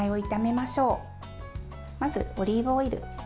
まずオリーブオイル。